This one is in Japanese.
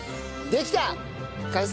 できた。